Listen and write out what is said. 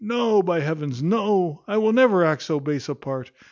No; by heavens, no! I never will act so base a part.